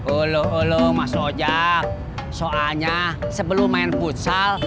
ulu ulu mas ojak soalnya sebelum main futsal